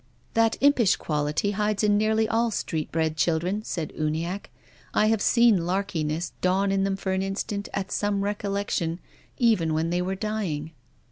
"That impish quality hides in nearly all street bred children," said Uniacke. " I have seen larki ness dawn in them for an instant at some recollec tion, even when they were dying."